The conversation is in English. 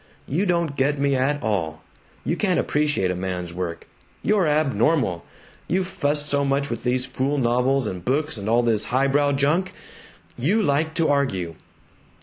You don't get me at all. You can't appreciate a man's work. You're abnormal. You've fussed so much with these fool novels and books and all this highbrow junk You like to argue!"